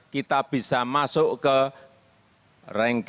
kita bisa menembus peringkat ke empat